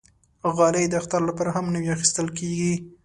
غالۍ د اختر لپاره هم نوی اخېستل کېږي.